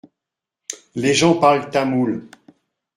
Les gens parlent tamoul.